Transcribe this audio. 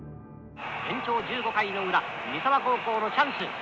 延長１５回の裏三沢高校のチャンス。